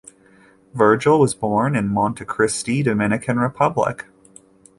Virgil was born in Monte Cristi, Dominican Republic.